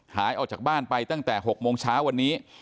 หายออกจากบ้านไปตั้งแต่๖โมงเช้าวันนี้